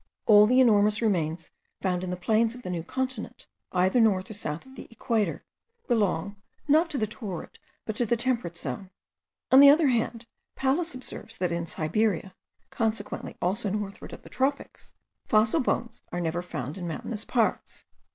All the enormous remains found in the plains of the new continent, either north or south of the equator, belong, not to the torrid, but to the temperate zone. On the other hand, Pallas observes that in Siberia, consequently also northward of the tropics, fossil bones are never found in mountainous parts.